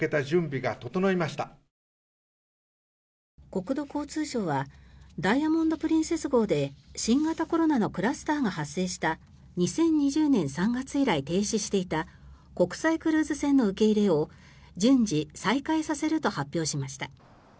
国土交通省は「ダイヤモンド・プリンセス号」で新型コロナのクラスターが発生した２０２０年３月以来停止していた国際クルーズ船の受け入れを順次、再開させると発表しました。